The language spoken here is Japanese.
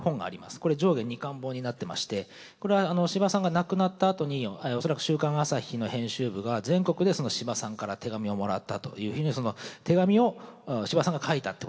これ上下２巻本になってましてこれは司馬さんが亡くなったあとに恐らく週刊朝日の編集部が全国で司馬さんから手紙をもらったというふうに手紙を司馬さんが書いたってことですね。